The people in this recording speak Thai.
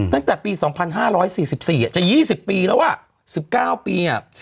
ตั้งแต่ปี๒๕๔๔จะ๒๐ปีแล้วอ่ะ๑๙ปี